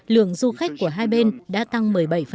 lượng du khách của hai bên đã tăng một mươi bảy